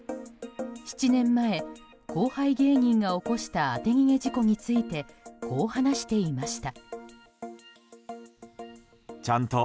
７年前、後輩芸人が起こした当て逃げ事故についてこう話していました。